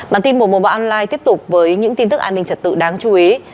bản tin một trăm một mươi một online tiếp tục với những tin tức an ninh trật tự đáng chú ý